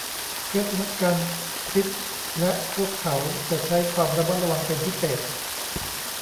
เคล็ดลับการพริบและพวกเขาจะใช้ความระมัดระวังเป็นพิเศษ